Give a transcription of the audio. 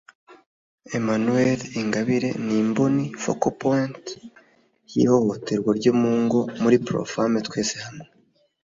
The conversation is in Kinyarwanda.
Emmanuelle Ingabire ni imboni (focal point) y’ihohoterwa ryo mu ngo muri Pro-Femmes Twese Hamwe